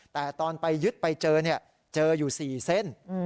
แต่ตอนไปยึดไปเจอเจออยู่๔เส้น